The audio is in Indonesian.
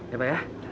ya pak ya